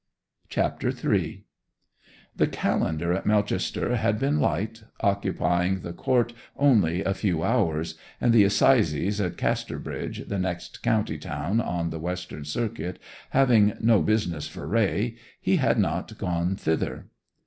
CHAPTER III The calendar at Melchester had been light, occupying the court only a few hours; and the assizes at Casterbridge, the next county town on the Western Circuit, having no business for Raye, he had not gone thither.